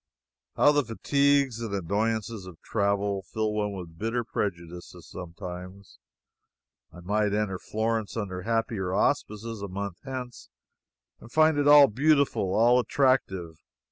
How the fatigues and annoyances of travel fill one with bitter prejudices sometimes! I might enter Florence under happier auspices a month hence and find it all beautiful, all attractive.